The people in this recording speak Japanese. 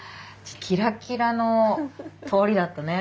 キラキラの通りだったね。